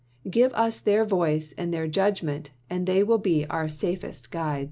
Give us •Globe," their voice and their judgment, and they will be our "iW"* safest guides."